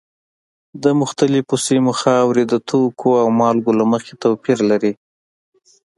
د مختلفو سیمو خاورې د توکو او مالګو له مخې توپیر لري.